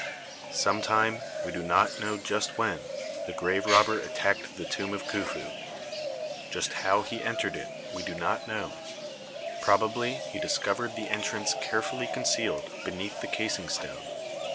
Sometime, we do not know just when, the grave robber attacked the tomb of Khufu. Just how he entered it we do not know ; probably he discov ered the entrance carefully concealed beneath the casing stone.